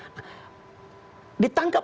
ditangkap pula atau ditangkap